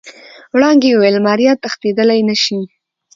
وړانګې وويل ماريا تښتېدل نشي.